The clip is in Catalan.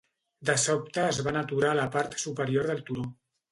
De sobte es van aturar a la part superior del turó.